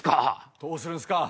どうするんすか？